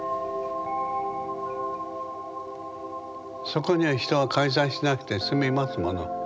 そこには人が介在しなくてすみますもの。